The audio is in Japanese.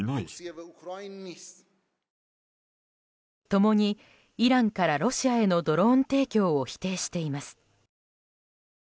共にイランからロシアへのドローン提供を否定しています。